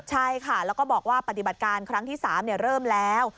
ใช่ค่ะแล้วก็บอกว่าปฏิบัติการครั้งที่๓เริ่มแล้ว